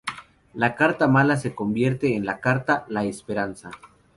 La carta mala se convierte en la carta: La esperanza.